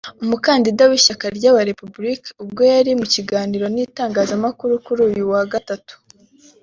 umukandida w’ishyaka ry’aba Républicains ubwo yari mu kiganiro n’itangazamakuru kuri uyu wa gatatu